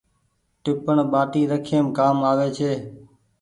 ٽيپڻ ٻآٽي رکيم ڪآم آوي ڇي ۔